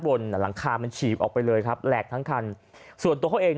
หลังคามันฉีบออกไปเลยครับแหลกทั้งคันส่วนตัวเขาเอง